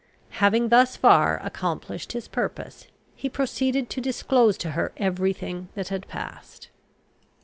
Having thus far accomplished his purpose, he proceeded to disclose to her every thing that had passed.